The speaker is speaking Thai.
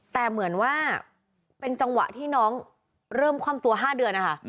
แต่เหมือนว่าเป็นจังหวะที่น้องเริ่มคว่ำตัว๕เดือนนะคะ